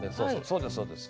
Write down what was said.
そうですそうです。